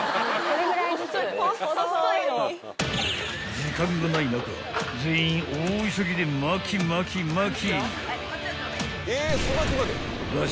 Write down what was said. ［時間がない中全員大急ぎで巻き巻き巻き］